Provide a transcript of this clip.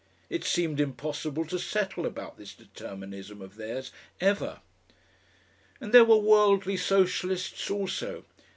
It seemed impossible to settle about this Determinism of theirs ever. And there were worldly Socialists also.